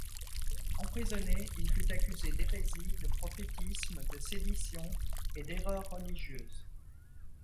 Emprisonné, il fut accusé d’hérésie, de prophétisme, de sédition et d’erreur religieuse.